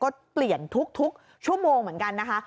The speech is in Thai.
ก็เปลี่ยนทุกชั่วโมงเหมือนกันนะคะ